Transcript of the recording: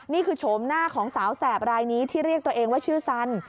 โฉมหน้าของสาวแสบรายนี้ที่เรียกตัวเองว่าชื่อสัน